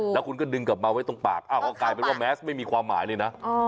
แล้วคุณก็ดึงกลับมาไว้ตรงปากอ้าวก็กลายเป็นว่าแมสไม่มีความหมายเลยนะ